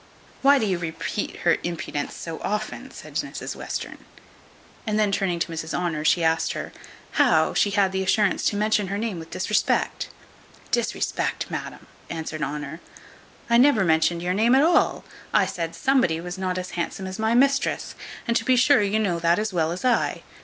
"Why do you repeat her impudence so often?" said Mrs Western. And then turning to Mrs Honour, she asked her "How she had the assurance to mention her name with disrespect?" "Disrespect, madam!" answered Honour; "I never mentioned your name at all: I said somebody was not as handsome as my mistress, and to be sure you know that as well as I."